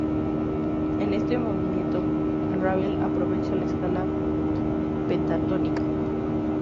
En este movimiento, Ravel aprovecha la escala pentatónica.